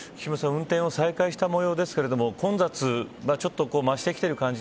運転を再開したもようですが混雑はちょっと増してきている感じ